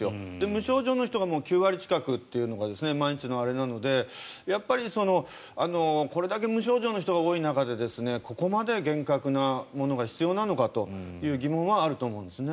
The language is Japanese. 無症状の人が９割近くというのが毎日のあれなのでやっぱりこれだけ無症状の人が多い中でここまで厳格なものが必要なのかという疑問はあると思うんです。